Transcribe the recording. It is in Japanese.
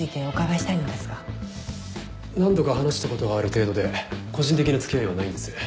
何度か話したことがある程度で個人的な付き合いはないんです。